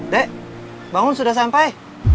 dek bangun sudah sampai